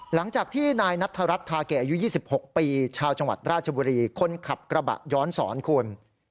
หลังจากที่นายนัทธรัฐทาเกอายุ๒๖ปีชาวจังหวัดราชบุรีคนขับกระบะย้อนสอนคุณ